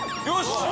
よし！